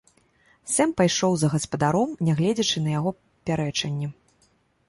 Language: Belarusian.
Сэм пайшоў за гаспадаром, нягледзячы на яго пярэчанні.